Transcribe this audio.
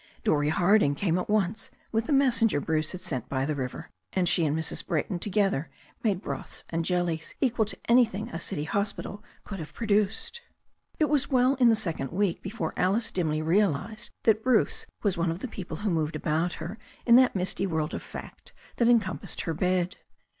Dorrie Harding came at once with the messenger Bruce had sent by the river, and she and Mrs. Brayton together made broths and jellies equal to anything a city hospital could have produced. It was well in the second week before Alice dimly real ized that Bruce was one of the people who moved about her in that misty world of fact that encompassed her bed.